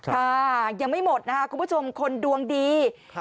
ค่ะยังไม่หมดนะคะคุณผู้ชมคนดวงดี